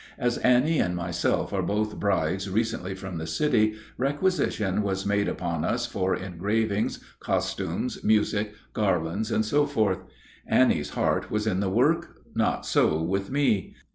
As Annie and myself are both brides recently from the city, requisition was made upon us for engravings, costumes, music, garlands, and so forth. Annie's heart was in the work; not so with me.